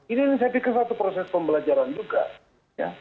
ini saya pikir satu proses pembelajaran juga ya